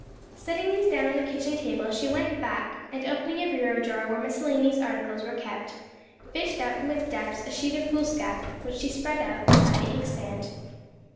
Setting these down on the kitchen table, she went back, and opening a bureau drawer where miscellaneous articles were kept, fished out from its depths a sheet of foolscap, which she spread out beside the inkstand.